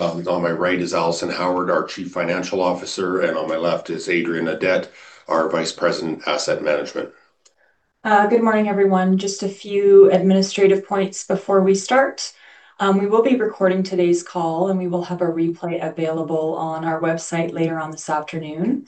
On my right is Alison Howard, our Chief Financial Officer, and on my left is Adrian Audet, our Vice President, Asset Management. Good morning, everyone. Just a few administrative points before we start. We will be recording today's call, and we will have a replay available on our website later on this afternoon.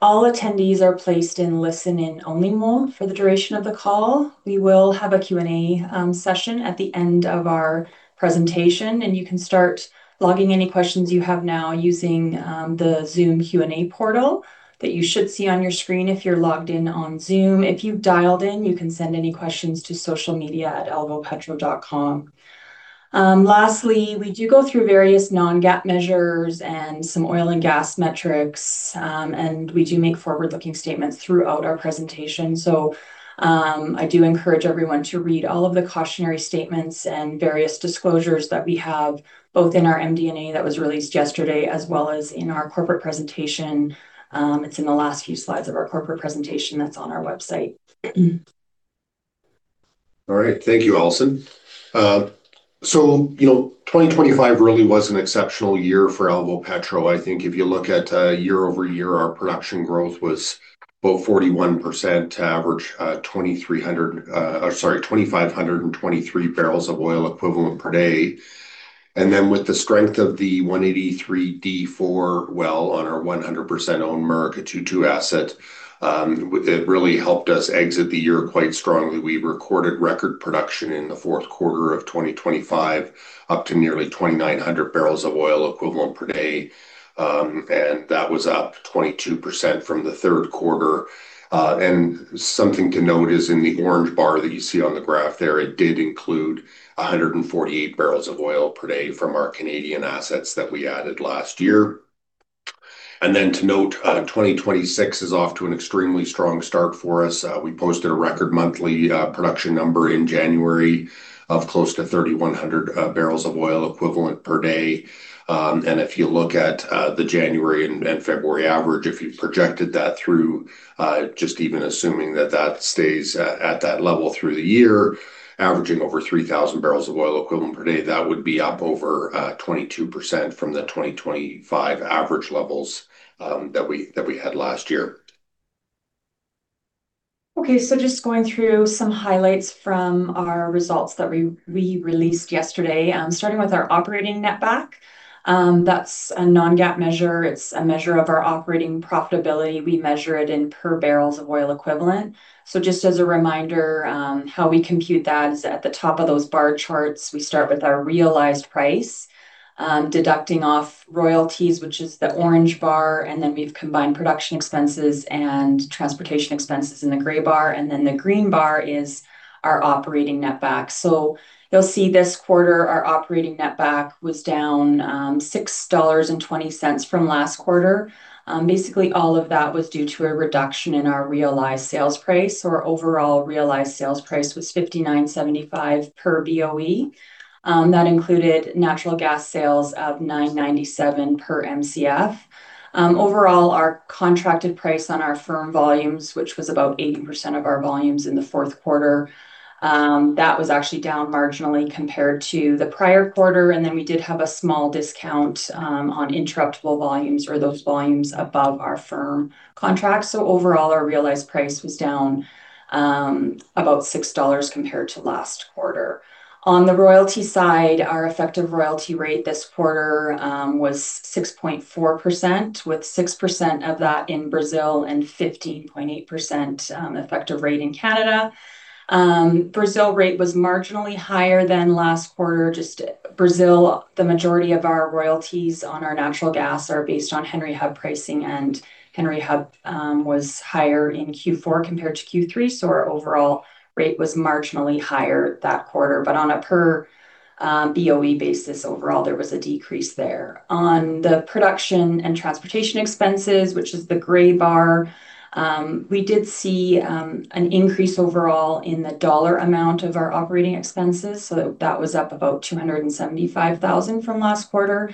All attendees are placed in listen in only mode for the duration of the call. We will have a Q&A session at the end of our presentation, and you can start logging any questions you have now using the Zoom Q&A portal that you should see on your screen if you're logged in on Zoom. If you've dialed in, you can send any questions to socialmedia@alvopetro.com. Lastly, we do go through various non-GAAP measures and some oil and gas metrics, and we do make forward-looking statements throughout our presentation. I do encourage everyone to read all of the cautionary statements and various disclosures that we have both in our MD&A that was released yesterday, as well as in our corporate presentation. It's in the last few slides of our corporate presentation that's on our website. All right. Thank you, Alison. You know, 2025 really was an exceptional year for Alvopetro. I think if you look at year-over-year, our production growth was about 41%, average 2,523 barrels of oil equivalent per day. With the strength of the 183-D4 well on our 100% owned Murucututu asset, it really helped us exit the year quite strongly. We recorded record production in the fourth quarter of 2025, up to nearly 2,900 barrels of oil equivalent per day. That was up 22% from the third quarter. Something to note is in the orange bar that you see on the graph there, it did include 148 barrels of oil per day from our Canadian assets that we added last year. To note, 2026 is off to an extremely strong start for us. We posted a record monthly production number in January of close to 3,100 barrels of oil equivalent per day. And if you look at the January and February average, if you projected that through just even assuming that stays at that level through the year, averaging over 3,000 barrels of oil equivalent per day, that would be up over 22% from the 2025 average levels that we had last year. Just going through some highlights from our results that we released yesterday, starting with our operating netback. That's a non-GAAP measure. It's a measure of our operating profitability. We measure it in per barrels of oil equivalent. Just as a reminder, how we compute that is at the top of those bar charts, we start with our realized price, deducting off royalties, which is the orange bar, and then we've combined production expenses and transportation expenses in the gray bar, and then the green bar is our operating netback. You'll see this quarter, our operating netback was down $6.20 from last quarter. Basically all of that was due to a reduction in our realized sales price. Our overall realized sales price was $59.75 per BOE. That included natural gas sales of $9.97 per Mcf. Overall, our contracted price on our firm volumes, which was about 80% of our volumes in the fourth quarter, that was actually down marginally compared to the prior quarter. We did have a small discount on interruptible volumes or those volumes above our firm contracts. Overall, our realized price was down about $6 compared to last quarter. On the royalty side, our effective royalty rate this quarter was 6.4%, with 6% of that in Brazil and 15.8% effective rate in Canada. Brazil rate was marginally higher than last quarter. Just Brazil, the majority of our royalties on our natural gas are based on Henry Hub pricing, and Henry Hub was higher in Q4 compared to Q3, so our overall rate was marginally higher that quarter. On a per BOE basis, overall, there was a decrease there. On the production and transportation expenses, which is the gray bar, we did see an increase overall in the dollar amount of our operating expenses. That was up about $275,000 from last quarter,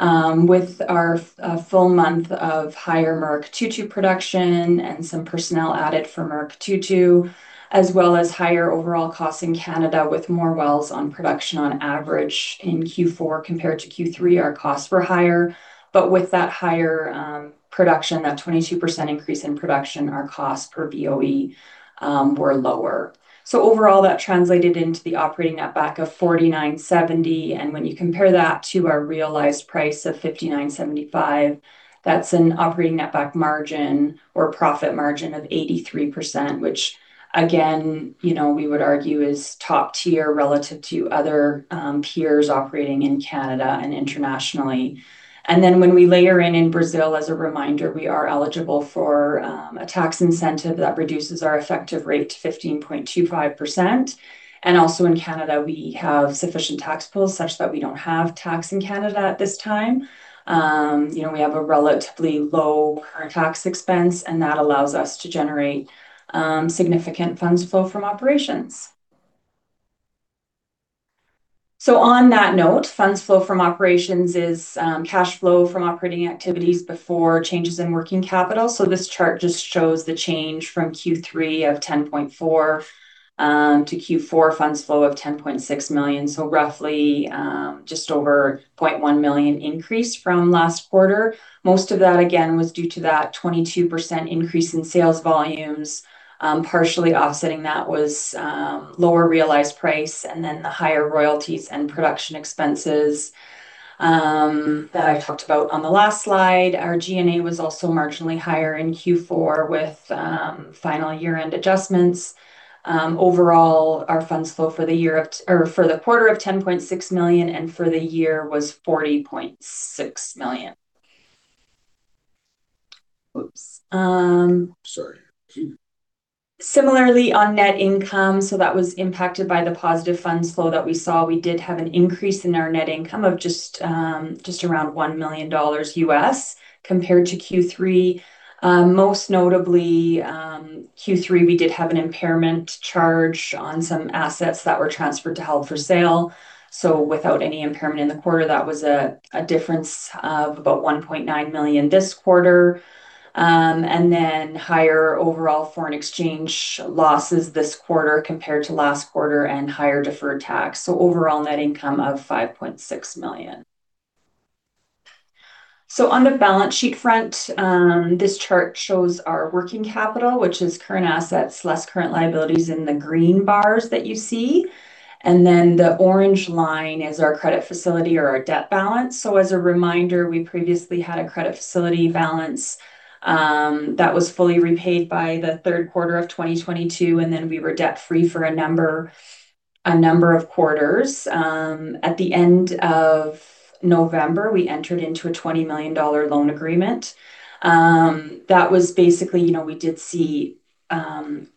with a full month of higher Murucututu production and some personnel added for Murucututu, as well as higher overall costs in Canada, with more wells on production on average in Q4 compared to Q3, our costs were higher. With that higher production, that 22% increase in production, our costs per BOE were lower. Overall, that translated into the operating netback of $49.70. When you compare that to our realized price of $59.75, that's an operating netback margin or profit margin of 83%, which again, you know, we would argue is top tier relative to other peers operating in Canada and internationally. Then when we layer in Brazil, as a reminder, we are eligible for a tax incentive that reduces our effective rate to 15.25%. Also in Canada, we have sufficient tax pools such that we don't have tax in Canada at this time. You know, we have a relatively low current tax expense, and that allows us to generate significant funds flow from operations. On that note, funds flow from operations is cash flow from operating activities before changes in working capital. This chart just shows the change from Q3 of $10.4 million to Q4 funds flow of $10.6 million. Roughly just over $0.1 million increase from last quarter. Most of that again was due to that 22% increase in sales volumes. Partially offsetting that was lower realized price and then the higher royalties and production expenses that I talked about on the last slide. Our G&A was also marginally higher in Q4 with final year-end adjustments. Overall, our funds flow for the year of... for the quarter of $10.6 million, and for the year was $40.6 million. Sorry. Similarly on net income, that was impacted by the positive funds flow that we saw. We did have an increase in our net income of just around $1 million compared to Q3. Most notably, Q3, we did have an impairment charge on some assets that were transferred to hold for sale. Without any impairment in the quarter, that was a difference of about $1.9 million this quarter. Higher overall foreign exchange losses this quarter compared to last quarter and higher deferred tax. Overall net income of $5.6 million. On the balance sheet front, this chart shows our working capital, which is current assets, less current liabilities in the green bars that you see. The orange line is our credit facility or our debt balance. As a reminder, we previously had a credit facility balance that was fully repaid by the third quarter of 2022, and then we were debt-free for a number of quarters. At the end of November, we entered into a $20 million loan agreement. That was basically, you know, we did see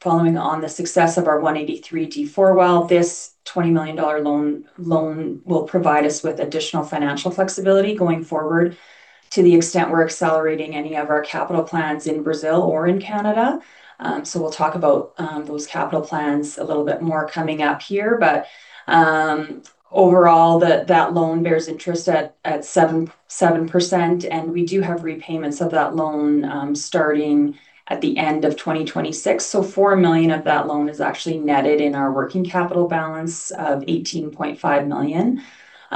following on the success of our 183-D4 well, this $20 million loan will provide us with additional financial flexibility going forward to the extent we're accelerating any of our capital plans in Brazil or in Canada. We'll talk about those capital plans a little bit more coming up here. Overall that loan bears interest at 7%, and we do have repayments of that loan starting at the end of 2026. $4 million of that loan is actually netted in our working capital balance of $18.5 million.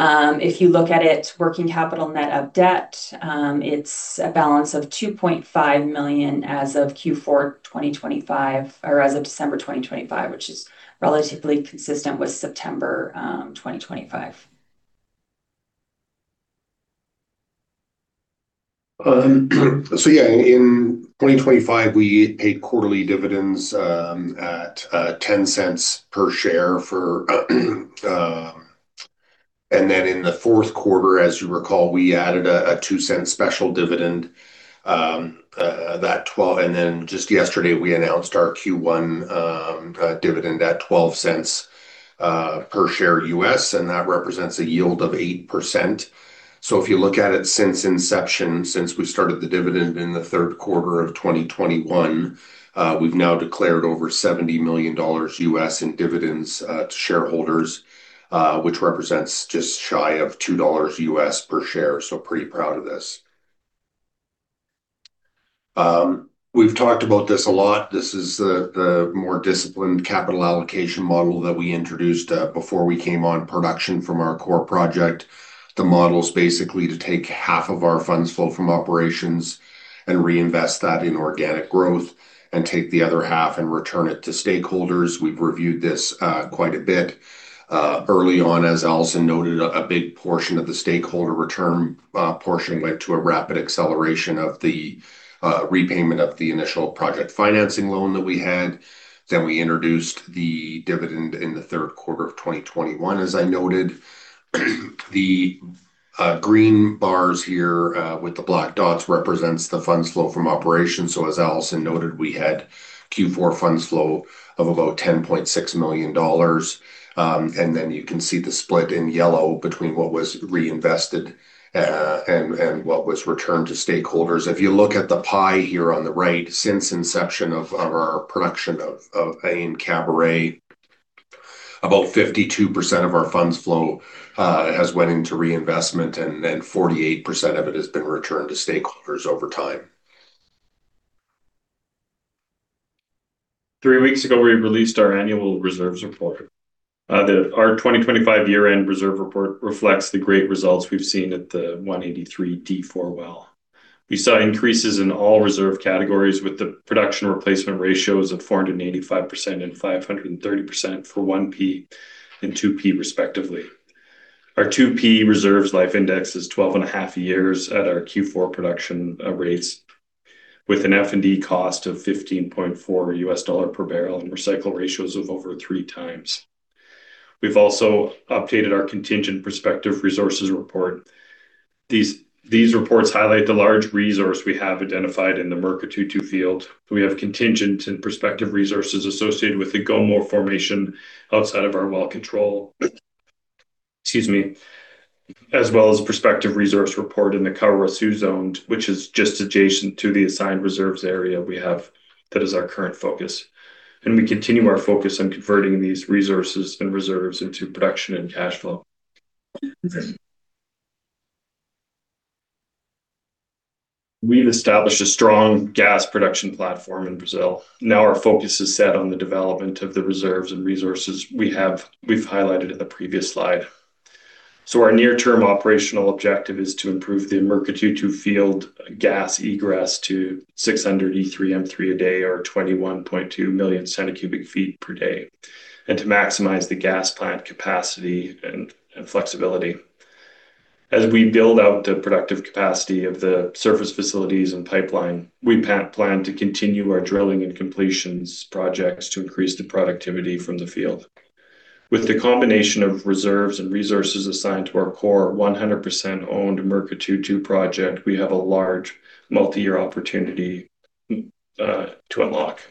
If you look at it, working capital net of debt, it's a balance of $2.5 million as of Q4 2025 or as of December 2025, which is relatively consistent with September 2025. In 2025 we paid quarterly dividends at $0.10 per share for. In the fourth quarter, as you recall, we added a $0.02 special dividend, and then just yesterday we announced our Q1 dividend at $0.12 per share, and that represents a yield of 8%. If you look at it since inception, since we started the dividend in the third quarter of 2021, we've now declared over $70 million in dividends to shareholders, which represents just shy of $2 per share. Pretty proud of this. We've talked about this a lot. This is the more disciplined capital allocation model that we introduced before we came on production from our core project. The model is basically to take half of our funds flow from operations and reinvest that in organic growth and take the other half and return it to stakeholders. We've reviewed this quite a bit. Early on, as Alison noted, a big portion of the stakeholder return portion went to a rapid acceleration of the repayment of the initial project financing loan that we had. We introduced the dividend in the third quarter of 2021, as I noted. The green bars here with the black dots represents the funds flow from operations. As Alison noted, we had Q4 funds flow of about $10.6 million. You can see the split in yellow between what was reinvested and what was returned to stakeholders. If you look at the pie here on the right, since inception of our production of Caburé, about 52% of our funds flow has went into reinvestment, and then 48% of it has been returned to stakeholders over time. Three weeks ago, we released our annual reserves report. Our 2025 year-end reserve report reflects the great results we've seen at the 183-D4 well. We saw increases in all reserve categories with the production replacement ratios of 485% and 530% for 1P and 2P respectively. Our 2P reserves life index is 12.5 years at our Q4 production rates, with an F&D cost of $15.4 per barrel and recycle ratios of over 3x. We've also updated our contingent prospective resources report. These reports highlight the large resource we have identified in the Murucututu field. We have contingent and prospective resources associated with the Gomo formation outside of our well control. Excuse me. As well as a prospective resource report in the Caruaçu zone, which is just adjacent to the assessed reserves area we have that is our current focus. We continue our focus on converting these resources and reserves into production and cash flow. We've established a strong gas production platform in Brazil. Now our focus is set on the development of the reserves and resources we have we've highlighted in the previous slide. Our near-term operational objective is to improve the Murucututu field gas egress to 600 E3M3 a day or 21.2 million cubic feet per day, and to maximize the gas plant capacity and flexibility. As we build out the productive capacity of the surface facilities and pipeline, we plan to continue our drilling and completions projects to increase the productivity from the field. With the combination of reserves and resources assigned to our core 100% owned Murucututu project, we have a large multi-year opportunity to unlock.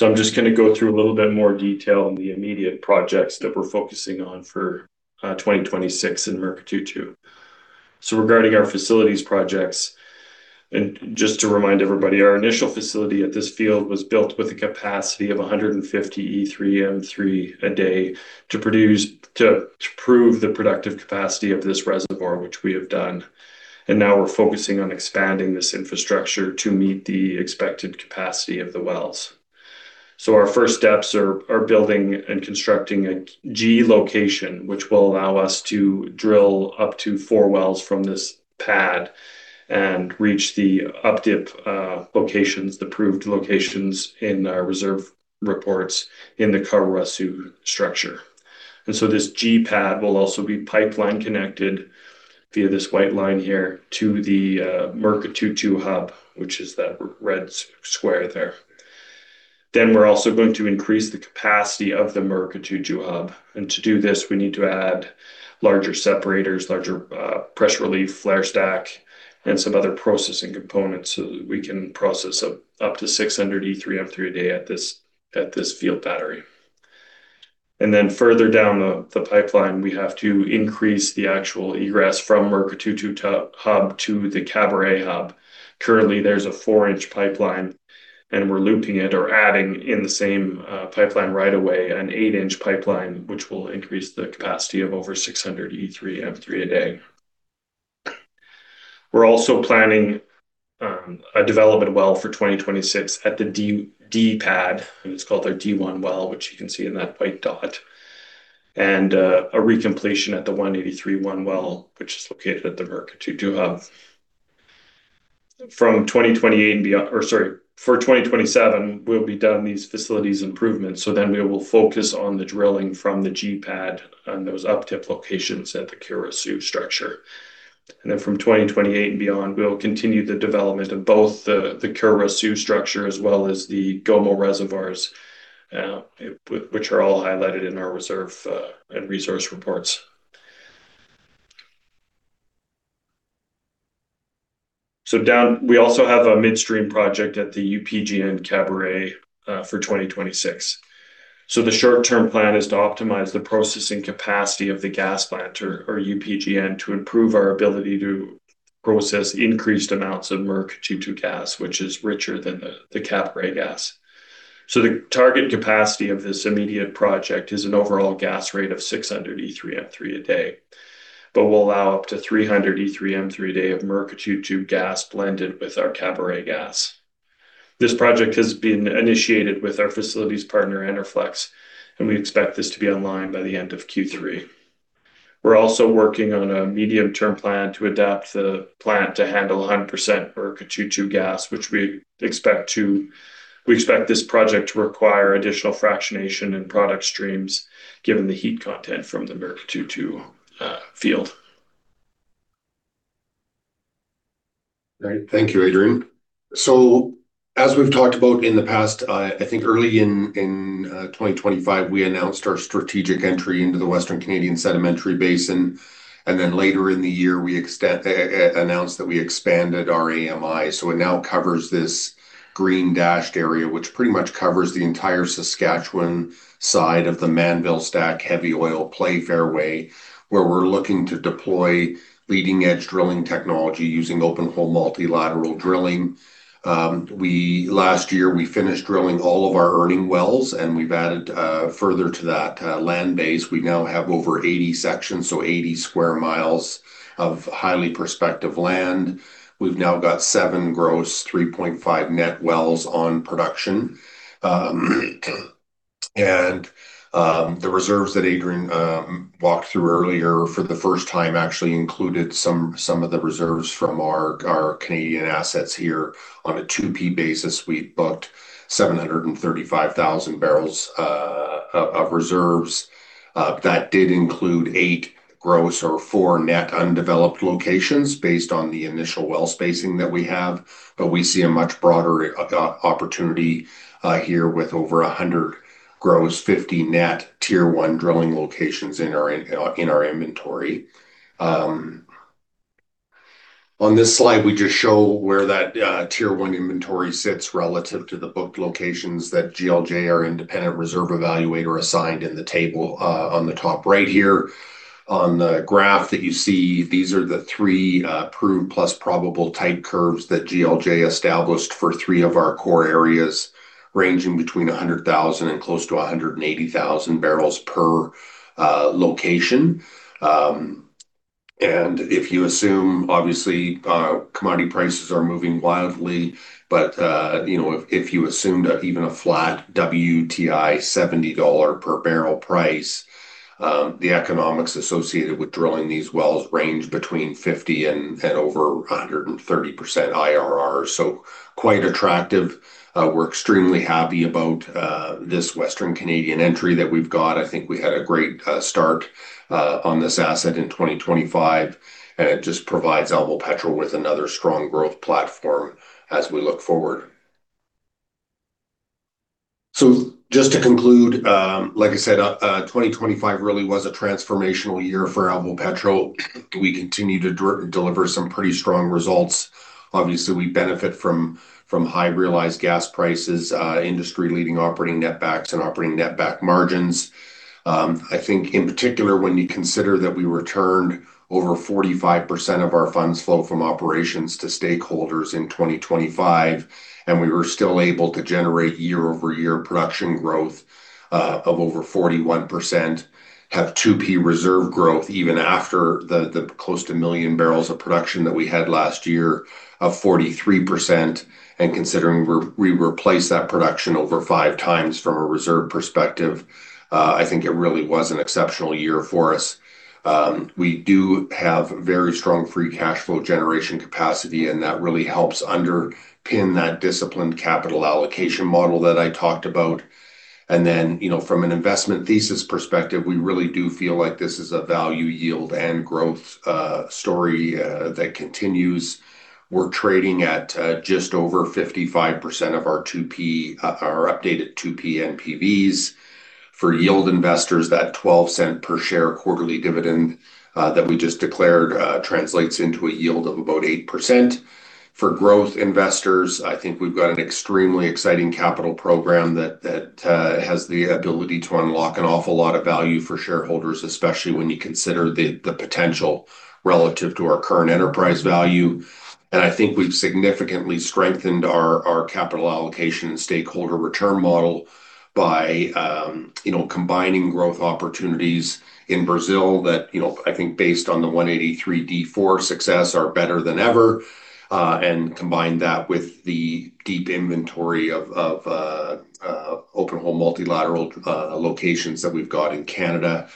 I'm just gonna go through a little bit more detail on the immediate projects that we're focusing on for 2026 in Murucututu. Regarding our facilities projects, just to remind everybody, our initial facility at this field was built with a capacity of 150 E3M3 a day to prove the productive capacity of this reservoir, which we have done. Now we're focusing on expanding this infrastructure to meet the expected capacity of the wells. Our first steps are building and constructing a G location, which will allow us to drill up to four wells from this pad and reach the up-dip locations, the proved locations in our reserve reports in the Caruaçu structure. This G-pad will also be pipeline connected via this white line here to the Murucututu hub, which is that red square there. We're also going to increase the capacity of the Murucututu hub. To do this, we need to add larger separators, larger pressure relief, flare stack, and some other processing components, so that we can process up to 600 E3M3 a day at this field battery. Further down the pipeline, we have to increase the actual egress from Murucututu hub to the Caburé hub. Currently, there's a 4-inch pipeline, and we're looping it or adding in the same pipeline right away an 8-inch pipeline, which will increase the capacity of over 600 E3M3 a day. We're also planning a development well for 2026 at the D pad, and it's called our D1 well, which you can see in that white dot, and a recompletion at the 183-1 well, which is located at the Murucututu hub. Sorry, for 2027, we'll be done these facilities improvements, so then we will focus on the drilling from the G-pad on those up-dip locations at the Caruaçu structure. From 2028 and beyond, we'll continue the development of both the Caruaçu structure as well as the Gomo reservoirs, which are all highlighted in our reserve and resource reports. We also have a midstream project at the UPGN Caburé for 2026. The short-term plan is to optimize the processing capacity of the gas plant or UPGN to improve our ability to process increased amounts of Murucututu gas, which is richer than the Caburé gas. The target capacity of this immediate project is an overall gas rate of 600 E3M3 a day, but will allow up to 300 E3M3 a day of Murucututu gas blended with our Caburé gas. This project has been initiated with our facilities partner, Enerflex, and we expect this to be online by the end of Q3. We're also working on a medium-term plan to adapt the plant to handle 100% Murucututu gas. We expect this project to require additional fractionation and product streams, given the heat content from the Murucututu field. Right. Thank you, Adrian. As we've talked about in the past, I think early in 2025, we announced our strategic entry into the Western Canadian Sedimentary Basin. Later in the year, we announced that we expanded our AMI. It now covers this green dashed area, which pretty much covers the entire Saskatchewan side of the Mannville Stack heavy oil play fairway, where we're looking to deploy leading-edge drilling technology using open hole multilateral drilling. Last year, we finished drilling all of our earning wells, and we've added further to that land base. We now have over 80 sections, so 80 sq mi of highly prospective land. We've now got seven gross, 3.5 net wells on production. The reserves that Adrian walked through earlier for the first time actually included some of the reserves from our Canadian assets here. On a 2P basis, we booked 735,000 barrels of reserves. That did include eight gross or four net undeveloped locations based on the initial well spacing that we have. We see a much broader opportunity here with over 100 gross, 50 net tier one drilling locations in our inventory. On this slide, we just show where that tier one inventory sits relative to the booked locations that GLJ, our independent reserve evaluator, assigned in the table on the top right here. On the graph that you see, these are the three proved plus probable type curves that GLJ established for three of our core areas, ranging between 100,000 and close to 180,000 barrels per location. If you assume, obviously, commodity prices are moving wildly, but you know, if you assumed even a flat WTI $70 per barrel price, the economics associated with drilling these wells range between 50% and over 130% IRR. Quite attractive. We're extremely happy about this Western Canadian entry that we've got. I think we had a great start on this asset in 2025, and it just provides Alvopetro with another strong growth platform as we look forward. Just to conclude, like I said, 2025 really was a transformational year for Alvopetro. We continue to deliver some pretty strong results. Obviously, we benefit from high realized gas prices, industry-leading operating netbacks and operating netback margins. I think in particular, when you consider that we returned over 45% of our funds flow from operations to stakeholders in 2025, and we were still able to generate year-over-year production growth of over 41%, have 2P reserve growth even after the close to 1 million barrels of production that we had last year of 43%, and considering we replaced that production over five times from a reserve perspective, I think it really was an exceptional year for us. We do have very strong free cash flow generation capacity, and that really helps underpin that disciplined capital allocation model that I talked about. You know, from an investment thesis perspective, we really do feel like this is a value yield and growth story that continues. We're trading at just over 55% of our updated 2P NPVs. For yield investors, that $0.12 per share quarterly dividend that we just declared translates into a yield of about 8%. For growth investors, I think we've got an extremely exciting capital program that has the ability to unlock an awful lot of value for shareholders, especially when you consider the potential relative to our current enterprise value. I think we've significantly strengthened our capital allocation and stakeholder return model by, you know, combining growth opportunities in Brazil that, you know, I think based on the 183-D4 success are better than ever, and combine that with the deep inventory of open hole multilateral locations that we've got in Canada.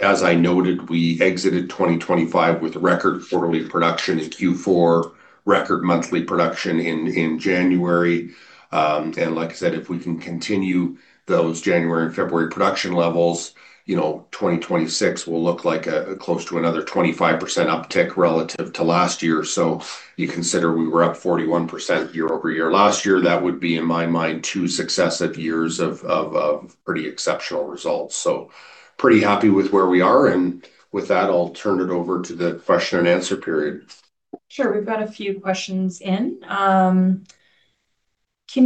As I noted, we exited 2025 with record quarterly production in Q4, record monthly production in January. Like I said, if we can continue those January and February production levels, you know, 2026 will look like close to another 25% uptick relative to last year. You consider we were up 41% year-over-year last year, that would be, in my mind, two successive years of pretty exceptional results. Pretty happy with where we are. With that, I'll turn it over to the question and answer period. Sure. We've got a few questions in. Can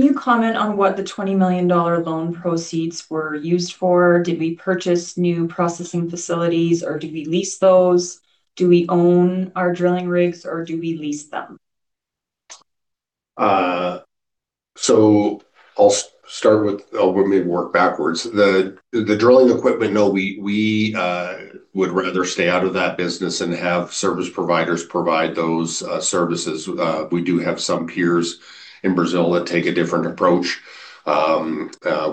you comment on what the $20 million loan proceeds were used for? Did we purchase new processing facilities, or do we lease those? Do we own our drilling rigs, or do we lease them? Let me work backwards. The drilling equipment, no, we would rather stay out of that business and have service providers provide those services. We do have some peers in Brazil that take a different approach.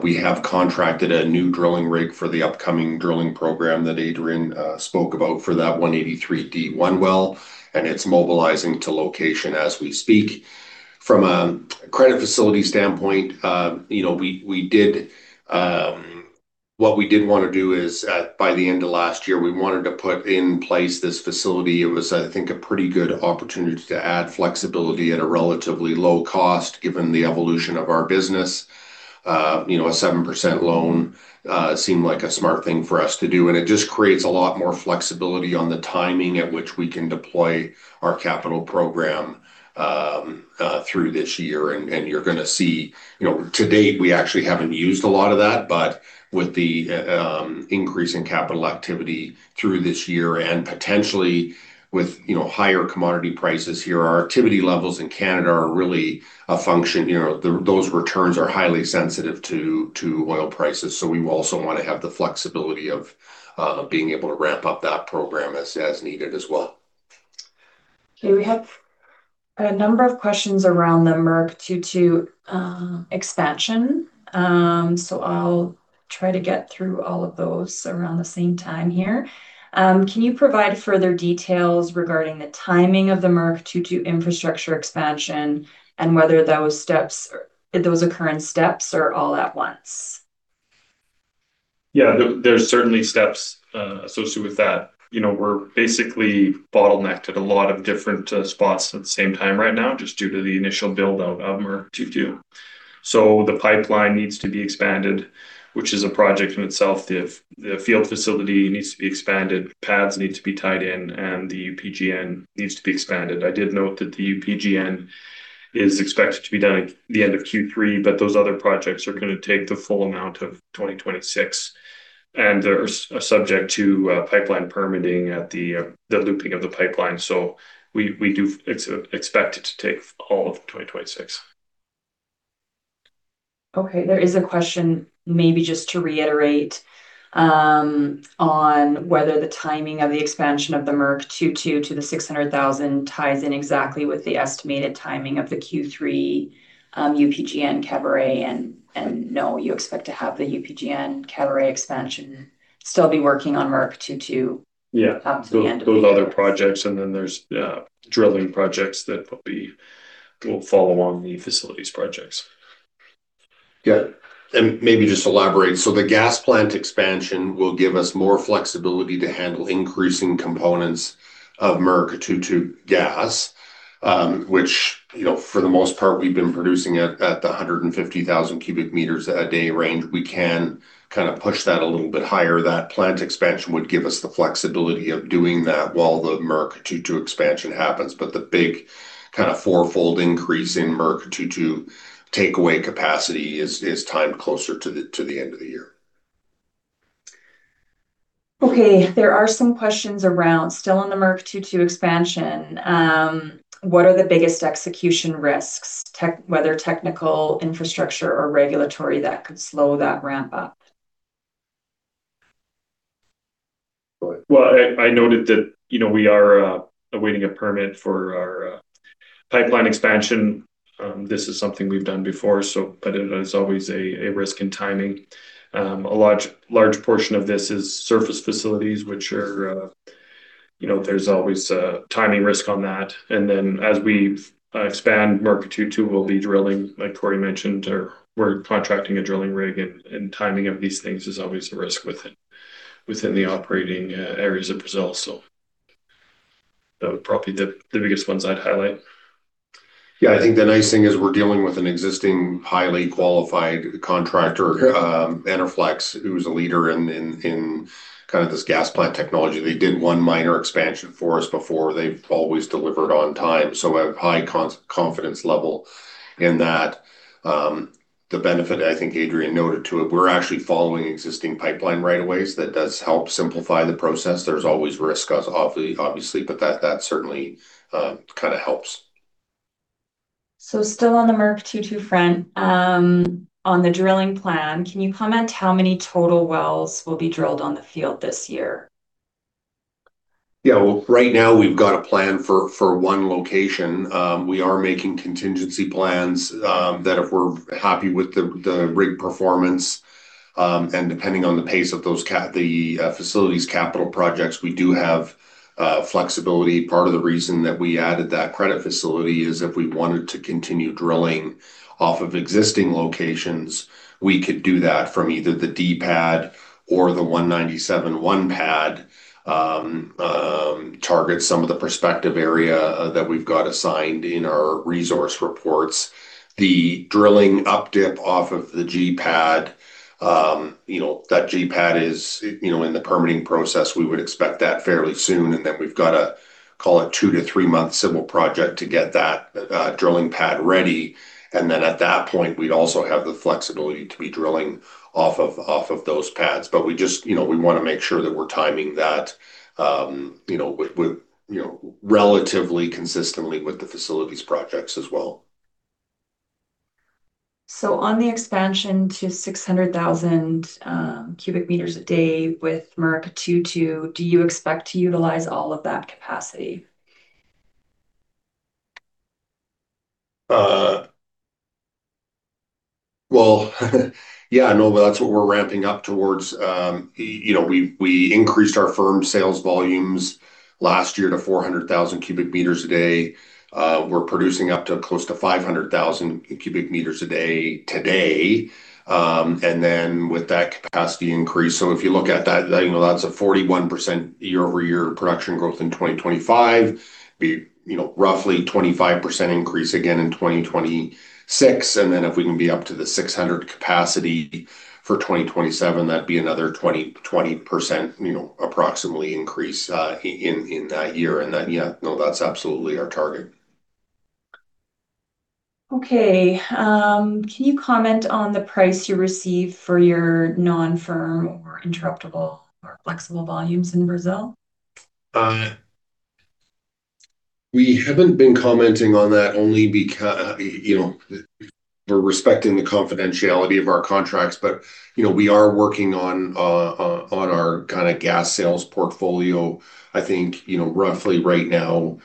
We have contracted a new drilling rig for the upcoming drilling program that Adrian spoke about for that 183-D1 well, and it's mobilizing to location as we speak. From a credit facility standpoint, you know, we did. What we did wanna do is by the end of last year, we wanted to put in place this facility. It was, I think, a pretty good opportunity to add flexibility at a relatively low cost, given the evolution of our business. You know, a 7% loan seemed like a smart thing for us to do, and it just creates a lot more flexibility on the timing at which we can deploy our capital program through this year. You're gonna see. You know, to date, we actually haven't used a lot of that, but with the increase in capital activity through this year and potentially with higher commodity prices here, our activity levels in Canada are really a function. You know, those returns are highly sensitive to oil prices. We also wanna have the flexibility of being able to ramp up that program as needed as well. Okay. We have a number of questions around the Murucututu expansion. I'll try to get through all of those around the same time here. Can you provide further details regarding the timing of the Murucututu infrastructure expansion and whether those occur in steps or all at once? Yeah, there's certainly steps associated with that. You know, we're basically bottlenecked at a lot of different spots at the same time right now just due to the initial build out of Murucututu. The pipeline needs to be expanded, which is a project in itself. The field facility needs to be expanded, pads need to be tied in, and the UPGN needs to be expanded. I did note that the UPGN is expected to be done at the end of Q3, but those other projects are gonna take the full amount of 2026. They're subject to pipeline permitting at the looping of the pipeline. We do expect it to take all of 2026. Okay. There is a question maybe just to reiterate on whether the timing of the expansion of the Murucututu to the 600,000 ties in exactly with the estimated timing of the Q3 UPGN Caburé. Now you expect to have the UPGN Caburé expansion still be working on Murucututu. Yeah up to the end of the year. Those other projects, and then there's drilling projects that will follow on the facilities projects. Yeah. Maybe just elaborate. The gas plant expansion will give us more flexibility to handle increasing components of Murucututu gas, which, you know, for the most part we've been producing at the 150,000 cubic meters a day range. We can kind of push that a little bit higher. That plant expansion would give us the flexibility of doing that while the Murucututu expansion happens. The big kind of fourfold increase in Murucututu takeaway capacity is timed closer to the end of the year. Okay. There are some questions around, still on the Murucututu expansion, what are the biggest execution risks, whether technical, infrastructure, or regulatory that could slow that ramp up? Well, I noted that, you know, we are awaiting a permit for our pipeline expansion. This is something we've done before, but it is always a risk in timing. A large portion of this is surface facilities, which are, you know, there's always a timing risk on that. Then as we expand Murucututu, we'll be drilling, like Corey mentioned, or we're contracting a drilling rig, and timing of these things is always a risk within the operating areas of Brazil. That would probably be the biggest ones I'd highlight. Yeah. I think the nice thing is we're dealing with an existing highly qualified contractor, Enerflex, who's a leader in kind of this gas plant technology. They did one minor expansion for us before. They've always delivered on time. I have high confidence level in that. The benefit, I think Adrian noted too, we're actually following existing pipeline right of ways that does help simplify the process. There's always risk as obviously, but that certainly kind of helps. Still on the Murucututu front, on the drilling plan, can you comment how many total wells will be drilled on the field this year? Yeah. Well, right now we've got a plan for one location. We are making contingency plans that if we're happy with the rig performance and depending on the pace of those facilities capital projects, we do have flexibility. Part of the reason that we added that credit facility is if we wanted to continue drilling off of existing locations, we could do that from either the D pad or the 197-1 pad, target some of the prospective area that we've got assigned in our resource reports. The drilling up dip off of the G-pad, you know, that G-pad is, you know, in the permitting process. We would expect that fairly soon. Then we've got a, call it two to three-month civil project to get that drilling pad ready. Then at that point, we'd also have the flexibility to be drilling off of those pads. We just, you know, we wanna make sure that we're timing that you know, with you know, relatively consistently with the facilities projects as well. On the expansion to 600,000 cubic meters a day with Murucututu, do you expect to utilize all of that capacity? Well, yeah, no, that's what we're ramping up towards. You know, we increased our firm sales volumes last year to 400,000 cubic meters a day. We're producing up to close to 500,000 cubic meters a day today. With that capacity increase. If you look at that, you know, that's a 41% year-over-year production growth in 2025. You know, roughly 25% increase again in 2026. If we can be up to the 600 capacity for 2027, that'd be another 20%, you know, approximately increase in that year. Yeah, no, that's absolutely our target. Okay. Can you comment on the price you receive for your non-firm or interruptible or flexible volumes in Brazil? We haven't been commenting on that, you know, we're respecting the confidentiality of our contracts. You know, we are working on our kinda gas sales portfolio. I think, you know, roughly right now,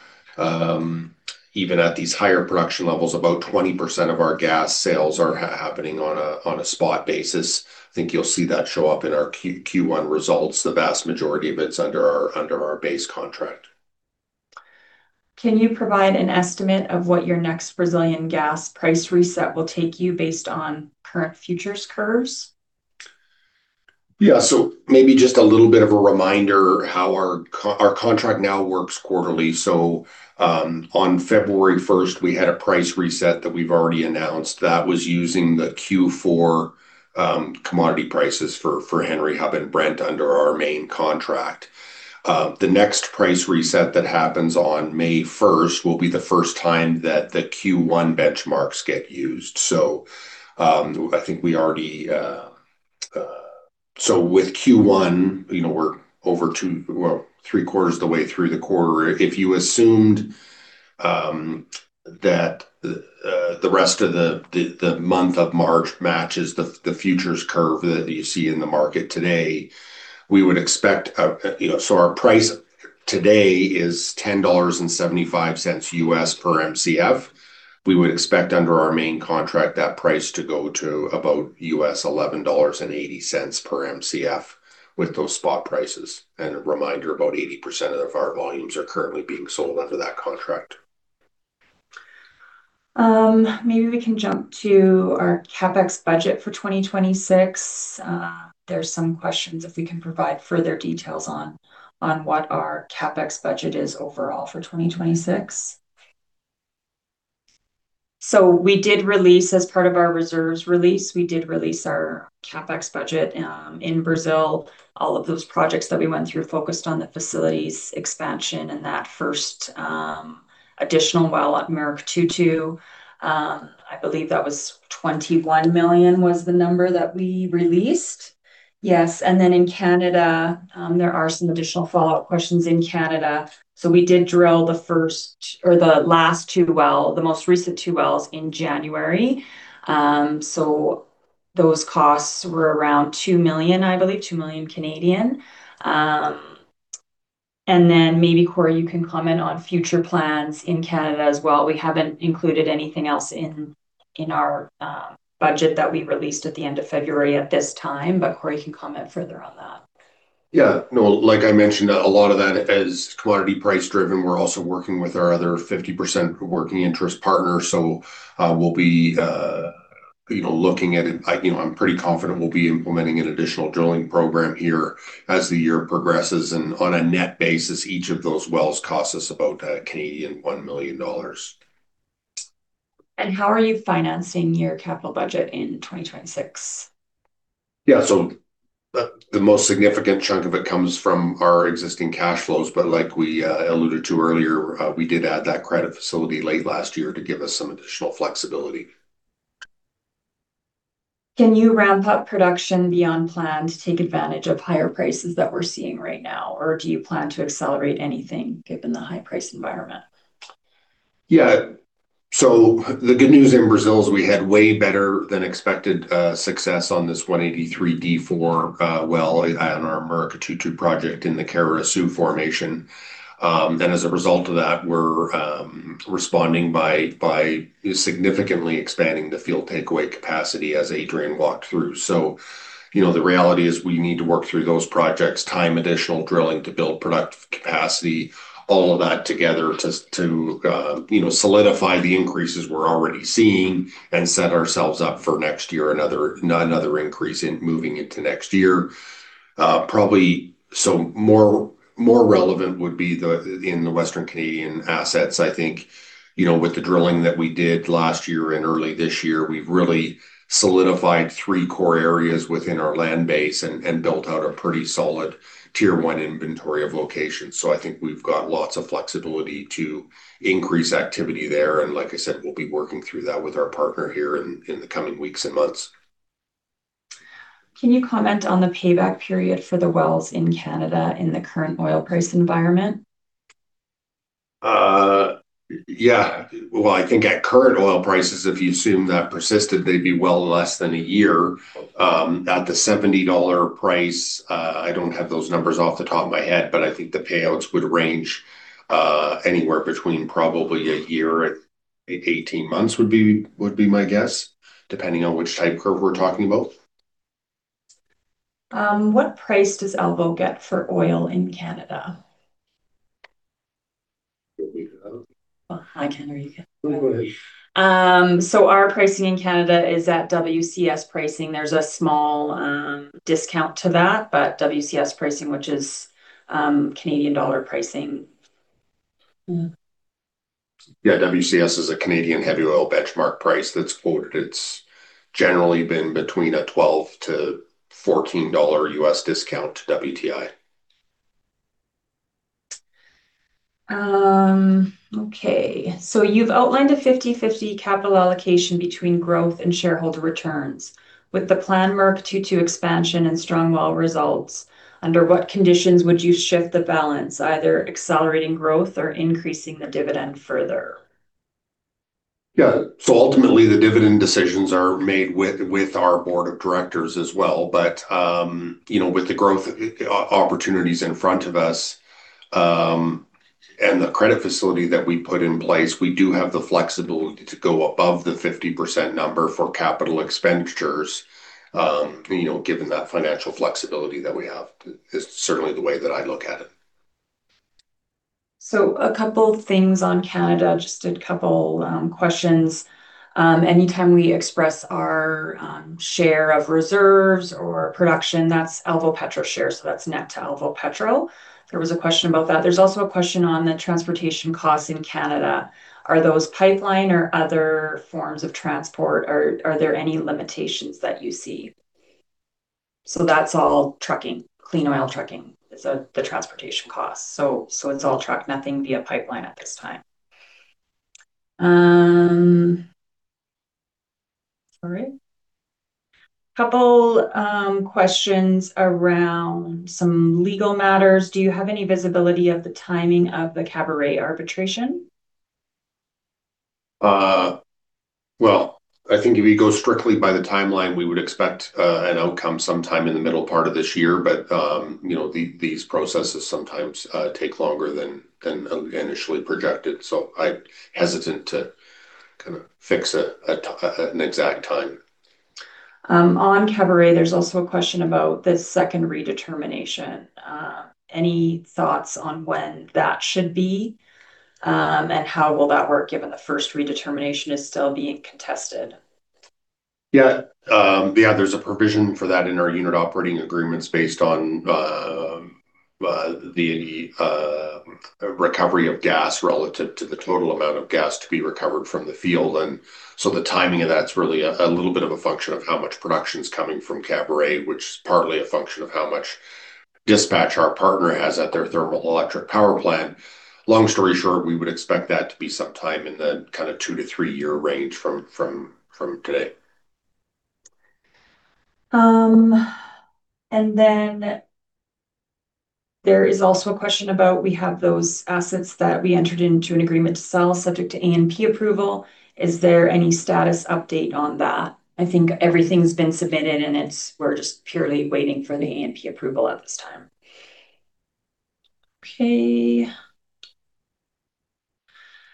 even at these higher production levels, about 20% of our gas sales are happening on a spot basis. I think you'll see that show up in our Q1 results. The vast majority of it's under our base contract. Can you provide an estimate of what your next Brazilian gas price reset will take you based on current futures curves? Yeah. Maybe just a little bit of a reminder how our contract now works quarterly. On February 1st, we had a price reset that we've already announced. That was using the Q4 commodity prices for Henry Hub and Brent under our main contract. The next price reset that happens on May first will be the first time that the Q1 benchmarks get used. With Q1, you know, we're over three-quarters of the way through the quarter. If you assumed that the rest of the month of March matches the futures curve that you see in the market today, we would expect, you know. Our price today is $10.75 per Mcf. We would expect under our main contract that price to go to about $11.80 per Mcf with those spot prices. A reminder, about 80% of our volumes are currently being sold under that contract. Maybe we can jump to our CapEx budget for 2026. There's some questions if we can provide further details on what our CapEx budget is overall for 2026. We did release, as part of our reserves release, our CapEx budget in Brazil. All of those projects that we went through focused on the facilities expansion and that first additional well at Murucututu. I believe that was $21 million, the number that we released. Yes. In Canada, there are some additional follow-up questions in Canada. We did drill the most recent two wells in January. Those costs were around 2 million, I believe. Maybe, Corey, you can comment on future plans in Canada as well. We haven't included anything else in our budget that we released at the end of February at this time. Corey can comment further on that. Yeah. No, like I mentioned, a lot of that is commodity price driven. We're also working with our other 50% working interest partner. We'll be, you know, looking at it. I, you know, I'm pretty confident we'll be implementing an additional drilling program here as the year progresses. On a net basis, each of those wells cost us about 1 million Canadian dollars. How are you financing your capital budget in 2026? Yeah. The most significant chunk of it comes from our existing cash flows. Like we alluded to earlier, we did add that credit facility late last year to give us some additional flexibility. Can you ramp up production beyond plan to take advantage of higher prices that we're seeing right now, or do you plan to accelerate anything given the high price environment? Yeah. The good news in Brazil is we had way better than expected success on this 183-D4 well on our Murucututu project in the Caruaçu Formation. As a result of that, we're responding by significantly expanding the field takeaway capacity as Adrian walked through. You know, the reality is we need to work through those projects, time additional drilling to build productive capacity, all of that together to, you know, solidify the increases we're already seeing and set ourselves up for next year, another increase in moving into next year. Probably, more relevant would be in the Western Canadian assets. I think, you know, with the drilling that we did last year and early this year, we've really solidified three core areas within our land base and built out a pretty solid tier one inventory of locations. I think we've got lots of flexibility to increase activity there. Like I said, we'll be working through that with our partner here in the coming weeks and months. Can you comment on the payback period for the wells in Canada in the current oil price environment? Yeah. Well, I think at current oil prices, if you assume that persisted, they'd be well less than a year. At the $70 price, I don't have those numbers off the top of my head, but I think the payouts would range anywhere between probably a year. 18 months would be my guess, depending on which type curve we're talking about. What price does Alvopetro get for oil in Canada? Hi, Henry. No, go ahead. Our pricing in Canada is at WCS pricing. There's a small discount to that, but WCS pricing, which is Canadian dollar pricing. Yeah. Yeah. WCS is a Canadian heavy oil benchmark price that's quoted. It's generally been between a $12-$14 discount to WTI. Okay. You've outlined a 50/50 capital allocation between growth and shareholder returns. With the planned Murucututu expansion and strong well results, under what conditions would you shift the balance, either accelerating growth or increasing the dividend further? Yeah. Ultimately, the dividend decisions are made with our board of directors as well. You know, with the growth opportunities in front of us, and the credit facility that we put in place, we do have the flexibility to go above the 50% number for capital expenditures. You know, given that financial flexibility that we have is certainly the way that I look at it. A couple things on Canada, just a couple questions. Anytime we express our share of reserves or production, that's Alvopetro share, so that's net to Alvopetro. There was a question about that. There's also a question on the transportation costs in Canada. Are those pipeline or other forms of transport? Are there any limitations that you see? That's all trucking. Clean oil trucking is the transportation cost, so it's all truck. Nothing via pipeline at this time. All right. Couple questions around some legal matters. Do you have any visibility of the timing of the Caburé arbitration? Well, I think if you go strictly by the timeline, we would expect an outcome sometime in the middle part of this year. You know, these processes sometimes take longer than initially projected. I'm hesitant to kind of fix an exact time. On Caburé, there's also a question about the second redetermination. Any thoughts on when that should be? How will that work given the first redetermination is still being contested? Yeah, there's a provision for that in our unit operating agreements based on the recovery of gas relative to the total amount of gas to be recovered from the field. The timing of that's really a little bit of a function of how much production's coming from Caburé, which is partly a function of how much dispatch our partner has at their thermal electric power plant. Long story short, we would expect that to be sometime in the kinda two to three year range from today. There is also a question about we have those assets that we entered into an agreement to sell subject to ANP approval. Is there any status update on that? I think everything's been submitted, and we're just purely waiting for the ANP approval at this time. Okay.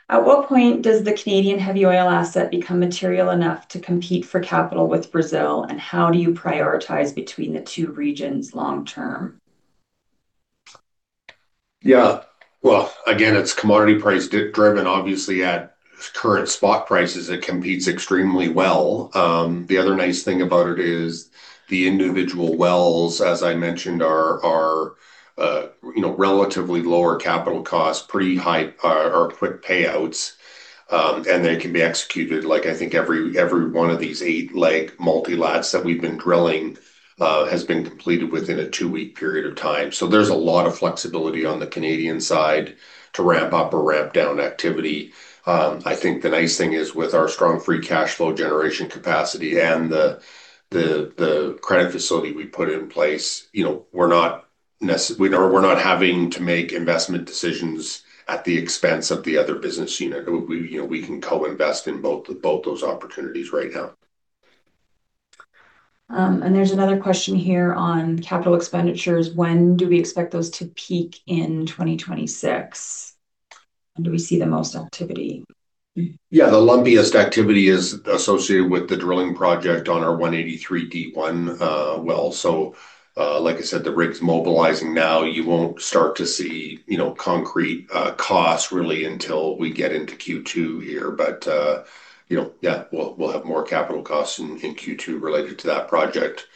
At what point does the Canadian heavy oil asset become material enough to compete for capital with Brazil, and how do you prioritize between the two regions long term? Well, again, it's commodity price-driven. Obviously, at current spot prices, it competes extremely well. The other nice thing about it is the individual wells, as I mentioned, you know, relatively lower capital costs, pretty high or quick payouts. They can be executed, like, I think every one of these eight-leg multilaterals that we've been drilling has been completed within a two-week period of time. There's a lot of flexibility on the Canadian side to ramp up or ramp down activity. I think the nice thing is with our strong free cash flow generation capacity and the credit facility we put in place, you know, we're not having to make investment decisions at the expense of the other business unit. We, you know, we can co-invest in both those opportunities right now. There's another question here on capital expenditures. When do we expect those to peak in 2026? When do we see the most activity? Yeah. The lumpiest activity is associated with the drilling project on our 183-D1 well. Like I said, the rig's mobilizing now. You won't start to see, you know, concrete costs really until we get into Q2 here. You know, yeah, we'll have more capital costs in Q2 related to that project.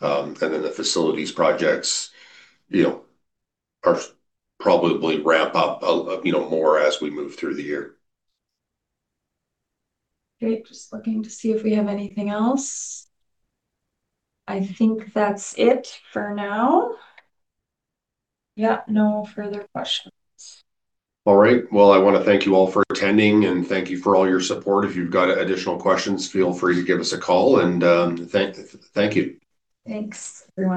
The facilities projects, you know, are probably ramp up more as we move through the year. Okay. Just looking to see if we have anything else. I think that's it for now. Yeah, no further questions. All right. Well, I wanna thank you all for attending, and thank you for all your support. If you've got additional questions, feel free to give us a call and thank you. Thanks, everyone.